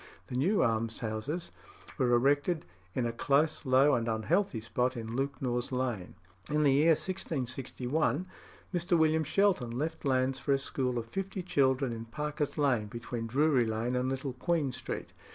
The new almshouses were erected in a close, low, and unhealthy spot in Lewknor's Lane. In the year 1661 Mr. William Shelton left lands for a school for fifty children in Parker's Lane, between Drury Lane and Little Queen Street.